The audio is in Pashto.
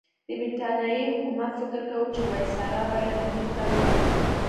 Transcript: د برټانیې حکومت فکر کاوه چې وایسرا باید امیر ته ووايي.